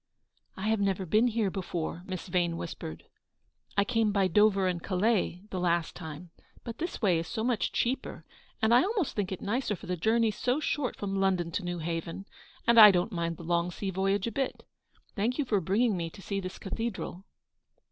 "I have never been here before," Miss Vane whispered. u I came by Dover and Calais, the last time j but this way is so much cheaper, and I almost think it nicer, for the journey's so short from London to Newhaven, and I don't mind the long sea voyage a bit. Thank you for bringing me to see this cathedral."